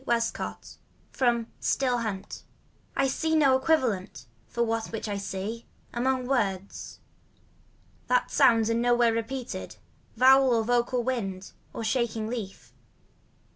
THE POET AT NIGHT FALL I see no equivalents For that which I see. Among words. And sounds are nowhere repeated. Vowel for vocal wind Or shaking leaf.